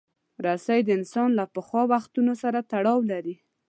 رسۍ د انسان له پخوا وختونو سره تړاو لري.